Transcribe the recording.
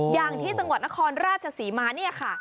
อย่างที่จังหวัดนครราชศรีมาเนี่ยค่ะ